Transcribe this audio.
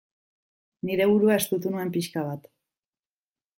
Nire burua estutu nuen pixka bat.